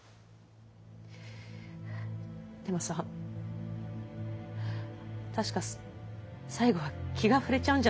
でもさ確か最後は気がふれちゃうんじゃないんだっけ。